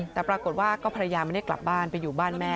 แต่ปรากฏว่าก็ภรรยาไม่ได้กลับบ้านไปอยู่บ้านแม่